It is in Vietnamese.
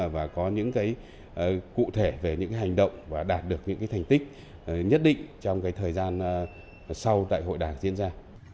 và có những cụ thể về những hành động và đạt được những thành tích nhất định trong thời gian sau đại hội đảng diễn ra